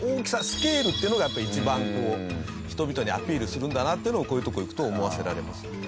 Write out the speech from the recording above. スケールっていうのがやっぱ一番人々にアピールするんだなというのをこういう所に行くと思わせられますよね。